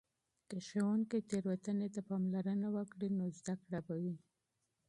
که ښوونکې تیروتنې ته پاملرنه وکړي، نو زده کړه به وي.